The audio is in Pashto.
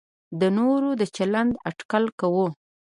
د نورو د چلند اټکل کوو.